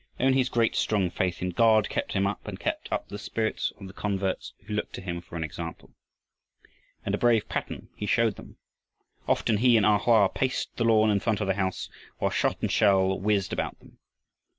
Only his great strong faith in God kept him up and kept up the spirits of the converts who looked to him for an example. And a brave pattern he showed them. Often he and A Hoa paced the lawn in front of the house while shot and shell whizzed around them.